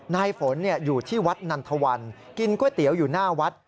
นายฝนอยู่ที่วัดนันทวันกินก๋วยเตี๋ยวอยู่หน้าวัด